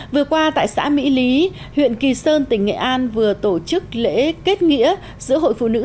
vừa qua tại xã mỹ lý huyện kỳ sơn tỉnh nghệ an vừa tổ chức lễ kết nghĩa giữa hội phụ nữ